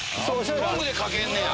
トングでかけんねや！